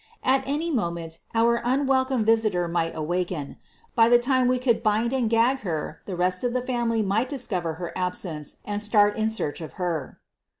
At any moment our unwelcome visitor might awaken. By the time we could bind and gag her the rest of the family might discover her absence and start in search of her.